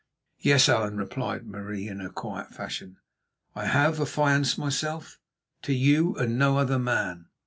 "Yes, Allan," replied Marie in her quiet fashion, "I have affianced myself—to you and no other man."